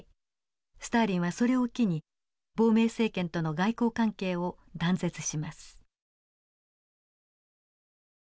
スターリンはそれを機に亡命政権との外交関係を断絶します。